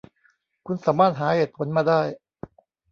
คุณสามารถหาเหตุผลมาได้